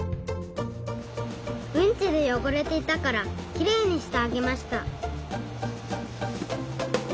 うんちでよごれていたからきれいにしてあげました。